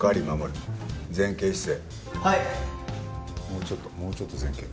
もうちょっともうちょっと前傾。